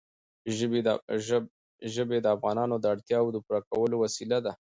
ژبې د افغانانو د اړتیاوو د پوره کولو وسیله ده.